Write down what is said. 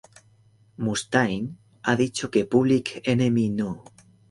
Mustaine ha dicho que "Public Enemy No.